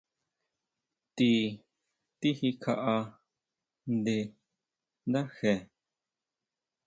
Ti tijikjaʼá nda nde ndáje.